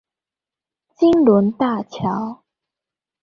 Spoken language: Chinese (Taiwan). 金崙大橋